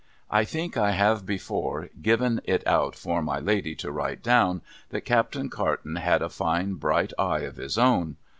I think I have before given it out for my Lady to write down, that Captain Carton had a fine bright eye of his own.